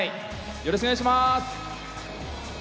よろしくお願いします！